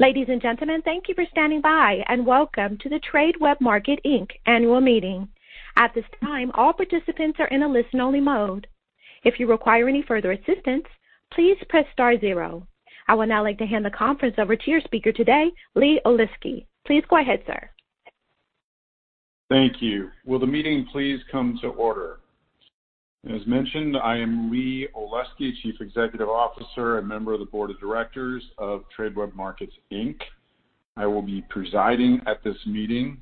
Ladies and gentlemen, thank you for standing by, and welcome to the Tradeweb Markets Inc. Annual Meeting. At this time, all participants are in a listen-only mode. If you require any further assistance, please press star zero. I would now like to hand the conference over to your speaker today, Lee Olesky. Please go ahead, sir. Thank you. Will the meeting please come to order? As mentioned, I am Lee Olesky, Chief Executive Officer and member of the Board of Directors of Tradeweb Markets Inc. I will be presiding at this meeting,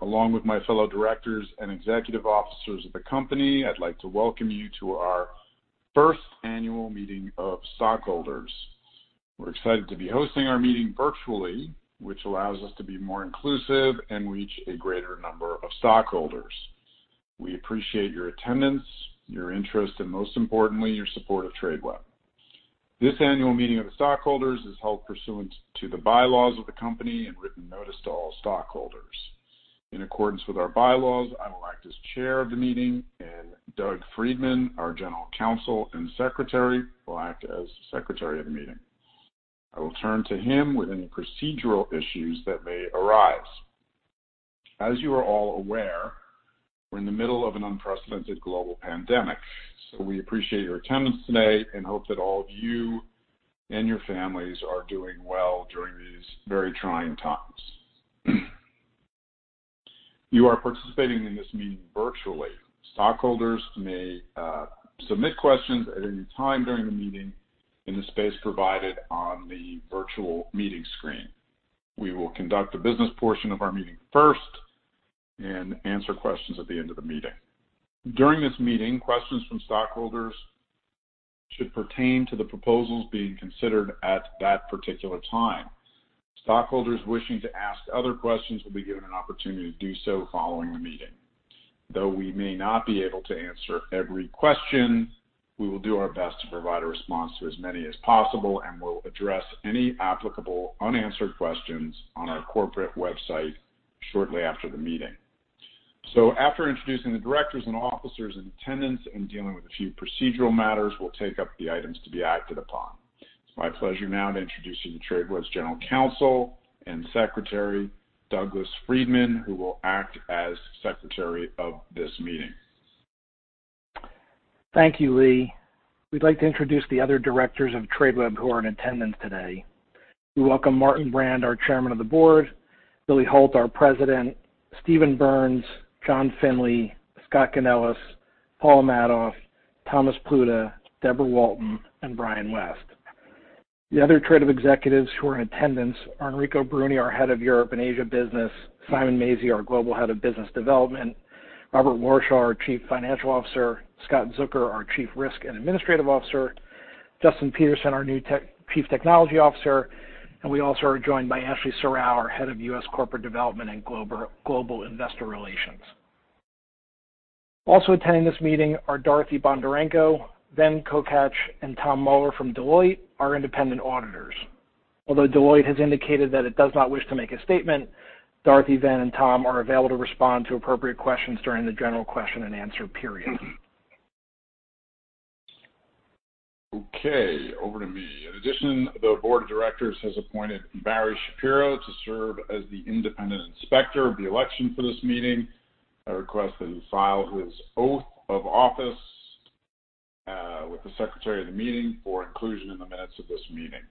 along with my fellow directors and executive officers of the company. I'd like to welcome you to our first Annual Meeting of Stockholders. We're excited to be hosting our meeting virtually, which allows us to be more inclusive and reach a greater number of stockholders. We appreciate your attendance, your interest, and most importantly, your support of Tradeweb. This Annual Meeting of the Stockholders is held pursuant to the bylaws of the company and written notice to all stockholders. In accordance with our bylaws, I will act as chair of the meeting, and Doug Friedman, our General Counsel and Secretary, will act as Secretary of the meeting. I will turn to him with any procedural issues that may arise. As you are all aware, we're in the middle of an unprecedented global pandemic, so we appreciate your attendance today and hope that all of you and your families are doing well during these very trying times. You are participating in this meeting virtually. Stockholders may submit questions at any time during the meeting in the space provided on the virtual meeting screen. We will conduct the business portion of our meeting first and answer questions at the end of the meeting. During this meeting, questions from stockholders should pertain to the proposals being considered at that particular time. Stockholders wishing to ask other questions will be given an opportunity to do so following the meeting. Though we may not be able to answer every question, we will do our best to provide a response to as many as possible and will address any applicable unanswered questions on our corporate website shortly after the meeting. After introducing the directors and officers in attendance and dealing with a few procedural matters, we'll take up the items to be acted upon. It's my pleasure now to introduce you to Tradeweb's General Counsel and Secretary, Douglas Friedman, who will act as Secretary of this meeting. Thank you, Lee. We'd like to introduce the other directors of Tradeweb who are in attendance today. We welcome Martin Brand, our Chairman of the Board, Billy Hult, our President, Steven Berns, John Finley, Scott Ganeles, Paula Madoff, Thomas Pluta, Debra Walton, and Brian West. The other Tradeweb executives who are in attendance are Enrico Bruni, our Head of Europe and Asia Business, Simon Maisey, our Global Head of Business Development, Robert Warshaw, our Chief Financial Officer, Scott Zucker, our Chief Risk and Administrative Officer, Justin Peterson, our new Chief Technology Officer, and we also are joined by Ashley Serrao, our Head of U.S. Corporate Development and Global Investor Relations. Also attending this meeting are Dorothy Bondarenko, Ben Kocak, and Tom Muller from Deloitte, our independent auditors. Although Deloitte has indicated that it does not wish to make a statement, Dorothy, Ben, and Tom are available to respond to appropriate questions during the general question-and-answer period. Okay, over to me. In addition, the Board of Directors has appointed Barry Shapiro to serve as the independent Inspector of Election for this meeting. I request that he file his oath of office, with the Secretary of the Meeting for inclusion in the minutes of this meeting.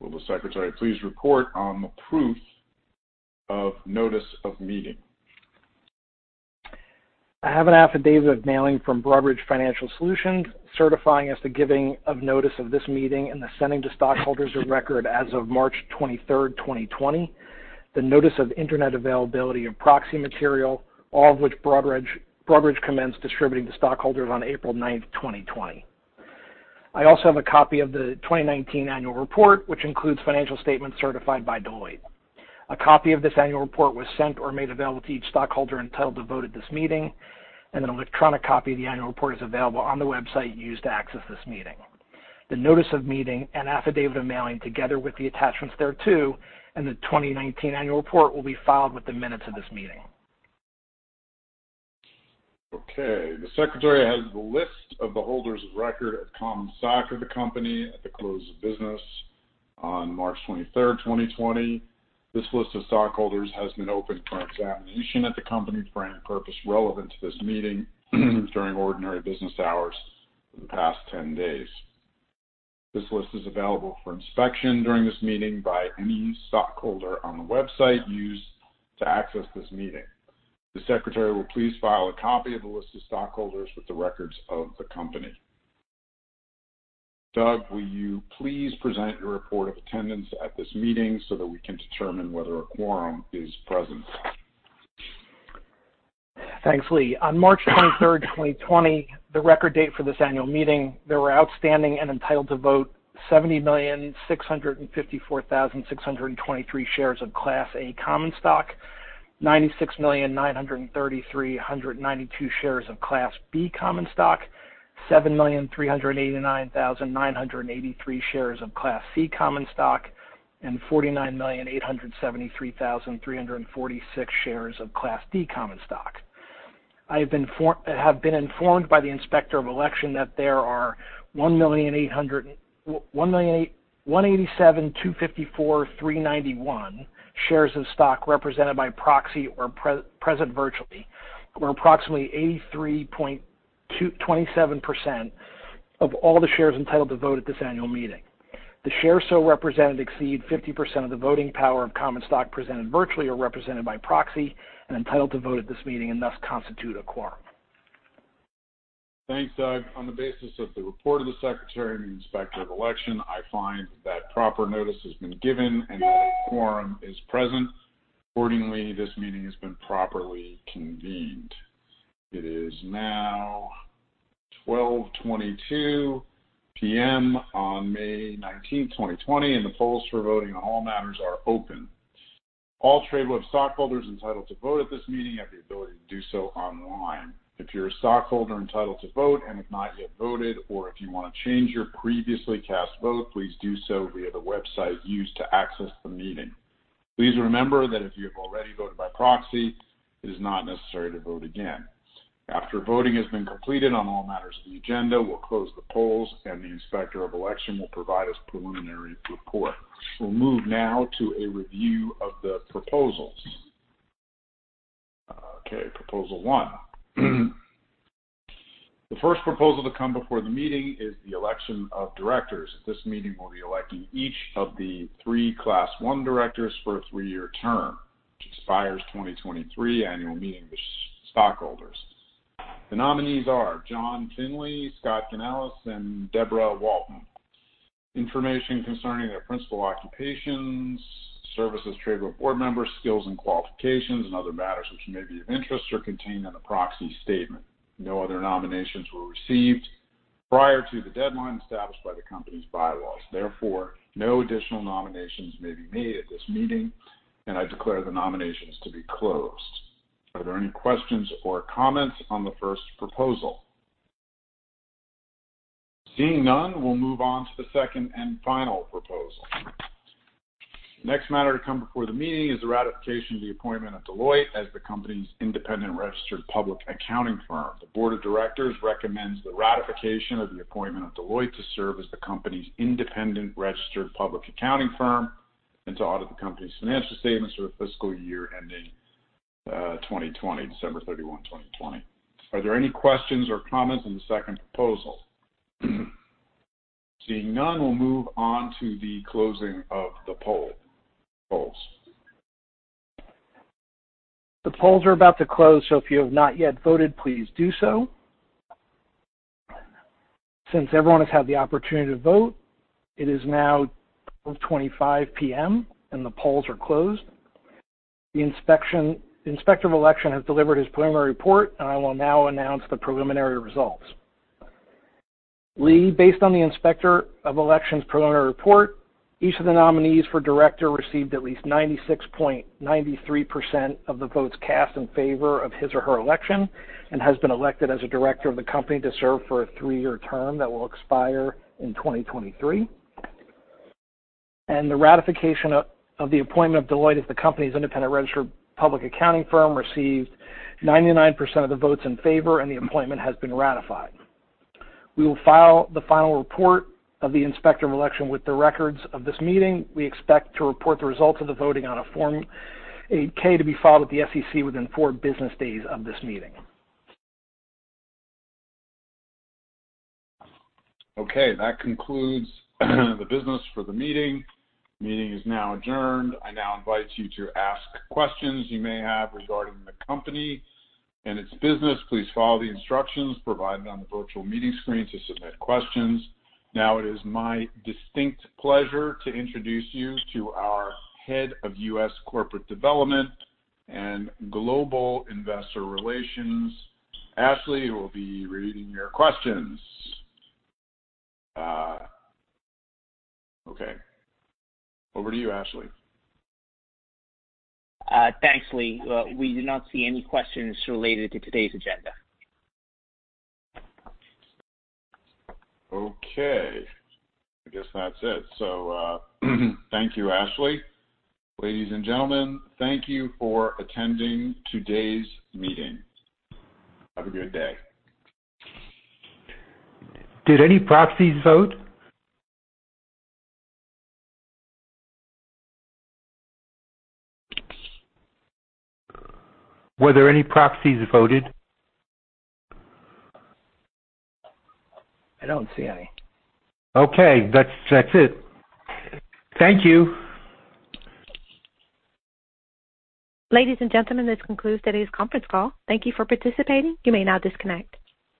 Will the Secretary please report on the proof of notice of meeting? I have an affidavit of mailing from Broadridge Financial Solutions certifying as to giving of notice of this meeting and the sending to stockholders of record as of March 23rd, 2020, the notice of internet availability of proxy material, all of which Broadridge commenced distributing to stockholders on April 9th, 2020. I also have a copy of the 2019 annual report, which includes financial statements certified by Deloitte. A copy of this annual report was sent or made available to each stockholder entitled to vote at this meeting, and an electronic copy of the annual report is available on the website used to access this meeting. The notice of meeting and affidavit of mailing, together with the attachments thereto, and the 2019 annual report will be filed with the minutes of this meeting. Okay. The secretary has the list of the holders of record of common stock of the company at the close of business on March 23rd, 2020. This list of stockholders has been open for examination at the company for any purpose relevant to this meeting during ordinary business hours for the past 10 days. This list is available for inspection during this meeting by any stockholder on the website used to access this meeting. The secretary will please file a copy of the list of stockholders with the records of the company. Doug, will you please present your report of attendance at this meeting so that we can determine whether a quorum is present? Thanks, Lee. On March 23rd, 2020, the record date for this annual meeting, there were outstanding and entitled to vote 70,654,623 shares of Class A common stock, 96,933,392 shares of Class B common stock, 7,389,983 shares of Class C common stock, and 49,873,346 shares of Class D common stock. I have been informed by the Inspector of Election that there are 187,254,391 shares of stock represented by proxy or present virtually, or approximately 83.27% of all the shares entitled to vote at this annual meeting. The shares so represented exceed 50% of the voting power of common stock presented virtually or represented by proxy, and entitled to vote at this meeting, and thus constitute a quorum. Thanks, Doug. On the basis of the report of the Secretary and the Inspector of Election, I find that proper notice has been given and that a quorum is present. Accordingly, this meeting has been properly convened. It is now 12:22 P.M. on May 19, 2020, and the polls for voting on all matters are open. All Tradeweb stockholders entitled to vote at this meeting have the ability to do so online. If you're a stockholder entitled to vote and have not yet voted, or if you want to change your previously cast vote, please do so via the website used to access the meeting. Please remember that if you have already voted by proxy, it is not necessary to vote again. After voting has been completed on all matters of the agenda, we'll close the polls and the Inspector of Election will provide his preliminary report. We'll move now to a review of the proposals. Okay. Proposal one. The first proposal to come before the meeting is the election of directors. At this meeting, we'll be electing each of the 3 Class 1 directors for a 3-year term, which expires 2023 Annual Meeting of Stockholders. The nominees are John Finley, Scott C. Ganeles, and Debra Walton. Information concerning their principal occupations, service as Tradeweb Board members, skills and qualifications, and other matters which may be of interest are contained in the proxy statement. No other nominations were received prior to the deadline established by the company's bylaws. Therefore, no additional nominations may be made at this meeting, and I declare the nominations to be closed. Are there any questions or comments on the first proposal? Seeing none, we'll move on to the second and final proposal. The next matter to come before the meeting is the ratification of the appointment of Deloitte as the company's independent registered public accounting firm. The board of directors recommends the ratification of the appointment of Deloitte to serve as the company's independent registered public accounting firm and to audit the company's financial statements for the fiscal year ending 2020, December 31, 2020. Are there any questions or comments on the second proposal? Seeing none, we'll move on to the closing of the polls. The polls are about to close. If you have not yet voted, please do so. Since everyone has had the opportunity to vote, it is now 12:25 P.M. and the polls are closed. The Inspector of Election has delivered his preliminary report, and I will now announce the preliminary results. Lee, based on the Inspector of Election's preliminary report, each of the nominees for director received at least 96.93% of the votes cast in favor of his or her election and has been elected as a director of the company to serve for a three-year term that will expire in 2023. The ratification of the appointment of Deloitte as the company's independent registered public accounting firm received 99% of the votes in favor, and the appointment has been ratified. We will file the final report of the Inspector of Election with the records of this meeting. We expect to report the results of the voting on a Form 8-K to be filed with the SEC within four business days of this meeting. That concludes the business for the meeting. The meeting is now adjourned. I now invite you to ask questions you may have regarding the company and its business. Please follow the instructions provided on the virtual meeting screen to submit questions. It is my distinct pleasure to introduce you to our Head of U.S. Corporate Development and Global Investor Relations. Ashley will be reading your questions. Over to you, Ashley. Thanks, Lee. We do not see any questions related to today's agenda. I guess that's it. Thank you, Ashley. Ladies and gentlemen, thank you for attending today's meeting. Have a good day. Did any proxies vote? Were there any proxies voted? I don't see any. Okay. That's it. Thank you. Ladies and gentlemen, this concludes today's conference call. Thank you for participating. You may now disconnect.